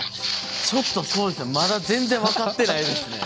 ちょっとそうですねまだ全然想像できないですね。